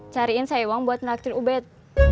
cariin saya uang buat naktir ubet